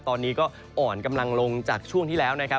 ตอนนี้ก็อ่อนกำลังลงจากช่วงที่แล้วนะครับ